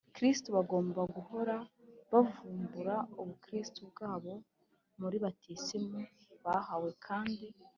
kristu bagomba guhora bavugurura ubukristu bwabo muri batisimu bahawe kandi